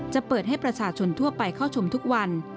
จะเปิดให้ประชาชนทั่วไปเข้าชมทุกวัน